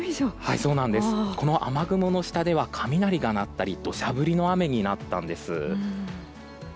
この雨雲の下では雷が鳴ったり土砂降りの雨になったんです。